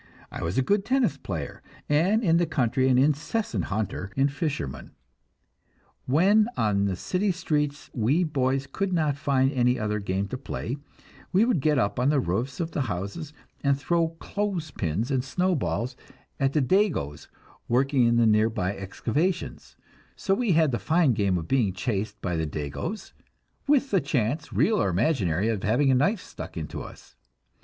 I was a good tennis player, and in the country an incessant hunter and fisherman. When on the city streets we boys could not find any other game to play, we would get up on the roofs of the houses and throw clothes pins and snow balls at the "Dagoes" working in the nearby excavations; so we had the fine game of being chased by the "Dagoes," with the chance, real or imaginary, of having a knife stuck into us.